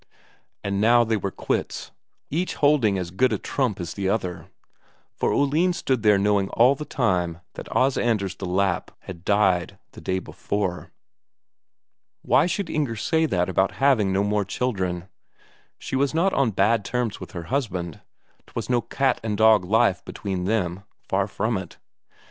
And now they were quits, each holding as good a trump as the other: for Oline stood there knowing all the time that Os Anders the Lapp had died the day before.... Why should Inger say that about having no more children? She was not on bad terms with her husband, 'twas no cat and dog life between them far from it.